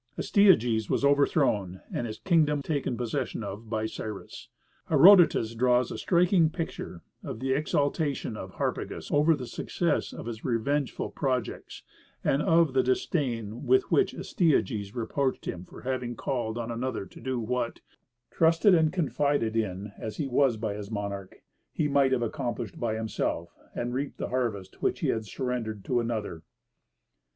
Astyages was overthrown and his kingdom taken possession of by Cyrus. Herodotus draws a striking picture of the exultation of Harpagus over the success of his revengeful projects, and of the disdain with which Astyages reproached him for having called on another to do what, trusted and confided in as he was by his monarch, he might have accomplished for himself, and reaped the harvest which he had surrendered to another.